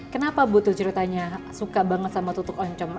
kenapa bu tuh ceritanya suka banget sama tutuk oncom